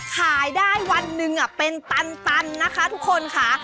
ขายได้วันหนึ่งเป็นตันนะคะทุกคนค่ะ